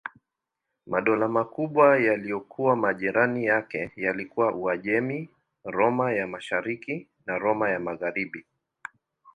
Madola makubwa yaliyokuwa majirani yake yalikuwa Uajemi, Roma ya Mashariki na Roma ya Magharibi.